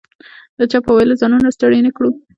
د چا په ویلو ځانونه ستړي نه کړو.